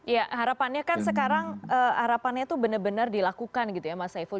ya harapannya kan sekarang harapannya itu benar benar dilakukan gitu ya mas saiful